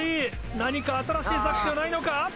何か新しい作戦はないのか？